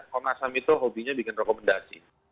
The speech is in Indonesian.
komnas ham itu hobinya bikin rekomendasi